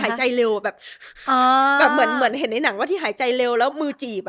ก็คือหายใจเร็วแบบเหมือนเห็นในหนังว่าที่หายใจเร็วแล้วมือจีบ